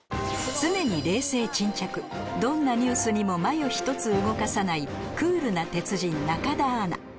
常に冷静沈着どんなニュースにも眉ひとつ動かさないクールな鉄人中田アナ